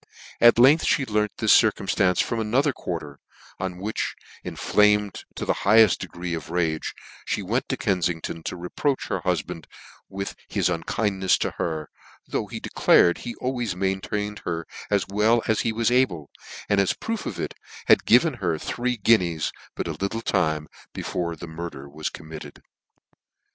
At length me learnt this circumftance from another quarter; on which, enflamed to the higheft de gree of rage, me went to Kenfington, to reproach her hufband with his unkindnefs to her, though he declared he always maintained her as well as he was able, and as a proof of it had given her three guineas but a little time before the murder was committed.